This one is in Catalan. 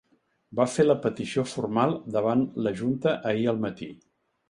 Va fer la petició formal davant la junta ahir al matí.